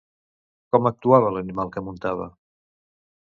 Com actuava l'animal que muntava?